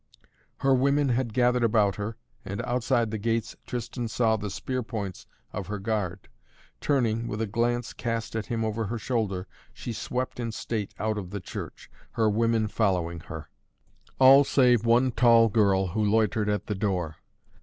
Her women had gathered about her and outside the gates Tristan saw the spear points of her guard. Turning, with a glance cast at him over her shoulder, she swept in state out of the church, her women following her, all save one tall girl, who loitered at the door.